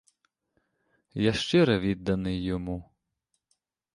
Я щире відданий йому.